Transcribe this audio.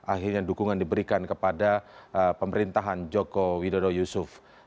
akhirnya dukungan diberikan kepada pemerintahan joko widodo yusuf